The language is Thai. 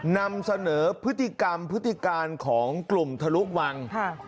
นำเสนอพฤติกรรมพฤติการของกลุ่มทะลุวัง